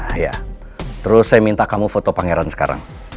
ah ya terus saya minta kamu foto pangeran sekarang